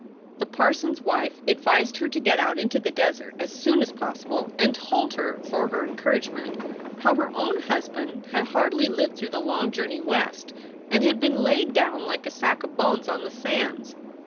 The parson s wife advised her to get out into the desert as soon as possible, and told her, for her encourage ment, how her own husband had hardly lived through the long journey West and had been laid down like a sack of bones on the sands.